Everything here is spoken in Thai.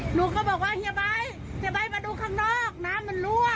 หนูก็บอกว่าเฮียใบเฮียใบมาดูข้างนอกน้ำมันรั่ว